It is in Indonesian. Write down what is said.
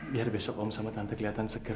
biar besok om sama tante kelihatan seger